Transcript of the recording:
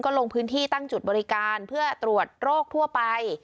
ลงพื้นที่ตั้งจุดบริการเพื่อตรวจโรคทั่วไป